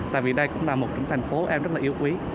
tại vì đây cũng là một trong thành phố em rất là yêu quý